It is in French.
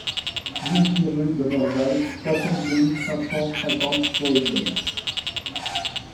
dix-huit rue d'Aumerval, soixante-deux mille cinq cent cinquante Floringhem